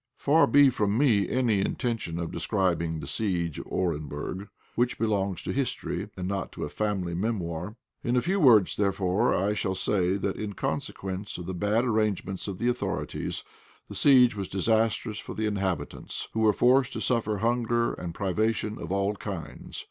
Far be from me any intention of describing the siege of Orenburg, which belongs to history, and not to a family memoir. In a few words, therefore, I shall say that in consequence of the bad arrangements of the authorities, the siege was disastrous for the inhabitants, who were forced to suffer hunger and privation of all kinds.